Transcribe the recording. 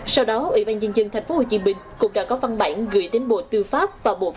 sau đó ủy ban nhân dân tp hcm cũng đã có văn bản gửi đến bộ tư pháp